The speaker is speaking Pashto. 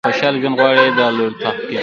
که خوشاله ژوند غواړئ دا لارې تعقیب کړئ.